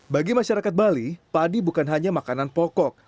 bagi masyarakat bali padi bukan hanya makanan pokok